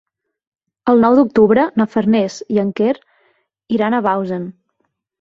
El nou d'octubre na Farners i en Quer iran a Bausen.